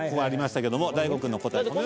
ありましたけれども大悟くんの答え